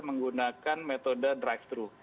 menggunakan metode drive thru